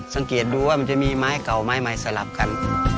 สังเกตดูว่ามันจะมีไม้เก่าไม้ใหม่สลับกัน